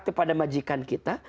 kepada majikan kita